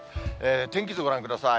天気図ご覧ください。